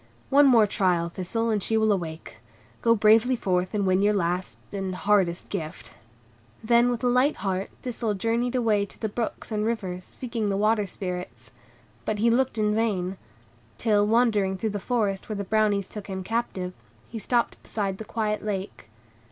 "One more trial, Thistle, and she will awake. Go bravely forth and win your last and hardest gift." Then with a light heart Thistle journeyed away to the brooks and rivers, seeking the Water Spirits. But he looked in vain; till, wandering through the forest where the Brownies took him captive, he stopped beside the quiet lake.